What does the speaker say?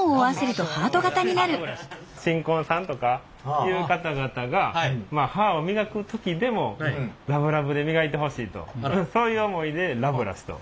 新婚さんとかいう方々が歯を磨く時でもラブラブで磨いてほしいとそういう思いでラブラシと。